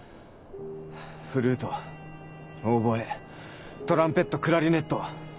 フルートオーボエトランペットクラリネット。